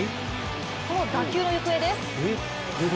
この打球の行方です。